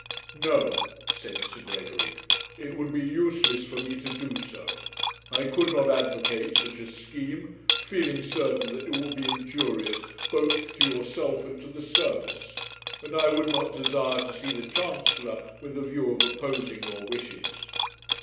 'No,' said Sir Gregory; 'it would be useless for me to do so. I could not advocate such a scheme, feeling certain that it would be injurious both to yourself and to the service; and I would not desire to see the Chancellor with the view of opposing your wishes.'